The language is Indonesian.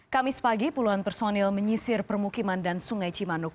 kamis pagi puluhan personil menyisir permukiman dan sungai cimanuk